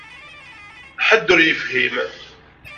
Ḥedd ur yefhim.